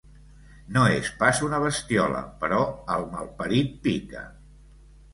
No és pas una bestiola, però el malparit pica.